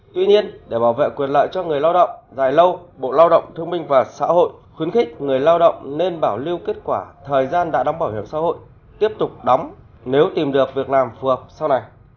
tuy nhiên để bảo vệ quyền lợi cho người lao động dài lâu bộ lao động thương minh và xã hội khuyến khích người lao động nên bảo lưu kết quả thời gian đã đóng bảo hiểm xã hội tiếp tục đóng nếu tìm được việc làm phù hợp sau này